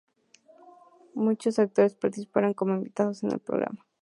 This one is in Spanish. Muchos actores famosos participaron como invitados en el programa.